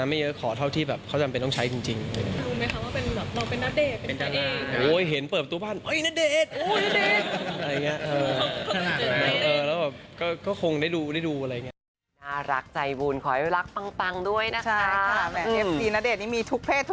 แล้วแบบก็คงได้ดูอะไรอย่างนี้